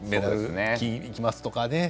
金いきますとかね。